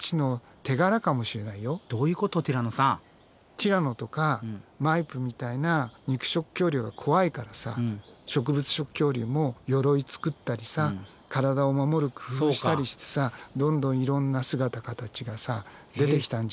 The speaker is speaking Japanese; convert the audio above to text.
ティラノとかマイプみたいな肉食恐竜が怖いからさ植物食恐竜も鎧作ったりさ体を守る工夫したりしてさどんどんいろんな姿形がさ出てきたんじゃないかな。